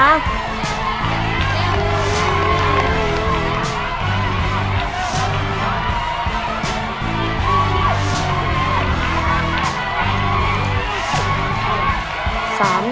แล้วลุยสินะ